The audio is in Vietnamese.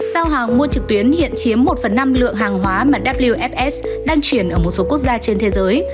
giao hàng mua trực tuyến hiện chiếm một phần năm lượng hàng hóa mà wfs đang chuyển ở một số quốc gia trên thế giới